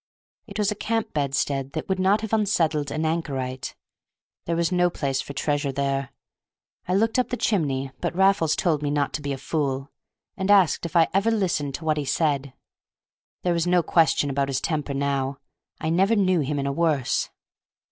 It was a camp bedstead that would not have unsettled an anchorite; there was no place for treasure there. I looked up the chimney, but Raffles told me not to be a fool, and asked if I ever listened to what he said. There was no question about his temper now. I never knew him in a worse.